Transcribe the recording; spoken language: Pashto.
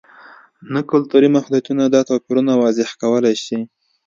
نه کلتوري محدودیتونه دا توپیرونه واضح کولای شي.